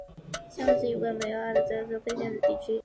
香农是一个位于美国阿拉巴马州杰佛逊县的非建制地区。